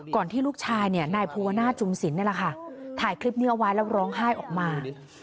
ที่ลูกชายเนี่ยนายภูวนาศจุมศิลปนี่แหละค่ะถ่ายคลิปนี้เอาไว้แล้วร้องไห้ออกมา